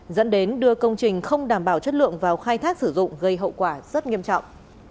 dẫn đến đưa công trình không đảm bảo chất lượng vào khai thác sử dụng gây hậu quả rất nghiêm trọng